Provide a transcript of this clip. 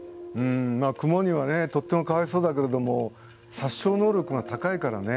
クマにはとてもかわいそうだけれども殺傷能力が高いからね。